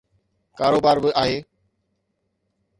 ڪاروبار به آهي.